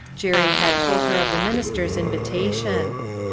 Jerry had told her of the minister's invitation.